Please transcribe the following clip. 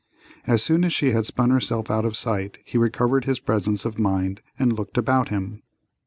As soon as she had spun herself out of sight he recovered his presence of mind and looked about him.